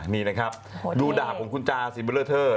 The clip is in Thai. นี่นะครับดูด่าของคุณจาสิเบลอเทอร์